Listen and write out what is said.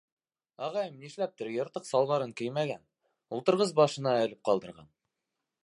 Ағайым нишләптер йыртыҡ салбарын кеймәгән, ултырғыс башына элеп ҡалдырған.